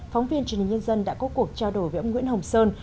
phóng viên truyền hình nhân dân đã có cuộc trao đổi với ông nguyễn hồng sơn